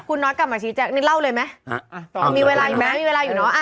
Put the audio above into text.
คุณน้อยกลับมาชี้แจงนี่เล่าเลยไหมมีเวลาอีกไหมมีเวลาอยู่เนอะ